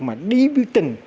mà đi biểu tình